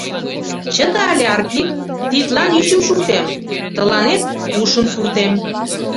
Чыте але, Арпик, тидлан ӱчым шуктем, тыланет ушым пуртем.